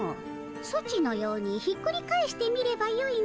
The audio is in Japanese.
ソチのようにひっくり返してみればよいのじゃ。